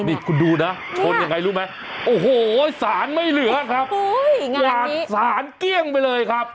นี่คุณดูนะชนอย่างไรรู้ไหมโอ้โฮสารไม่เหลือครับหลักสารเกี้ยงไปเลยครับอย่างแบบนี้